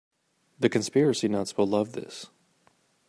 The conspiracy nuts will love this.